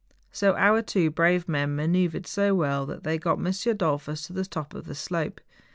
So our two brave men manoeuvred so well that they got M. Dollfus to the top of the slope.